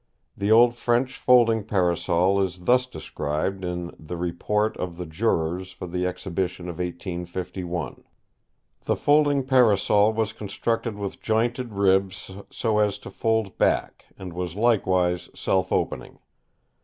The old French folding Parasol is thus described in the "Report of the Jurors for the Exhibition of 1851:" "The folding parasol was constructed with jointed ribs so as to fold back, and was likewise self opening.